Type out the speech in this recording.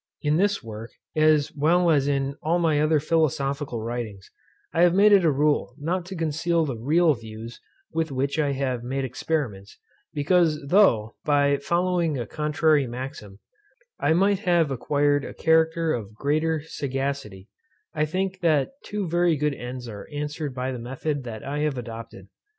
In this work, as well as in all my other philosophical writings, I have made it a rule not to conceal the real views with which I have made experiments; because though, by following a contrary maxim, I might have acquired a character of greater sagacity, I think that two very good ends are answered by the method that I have adopted.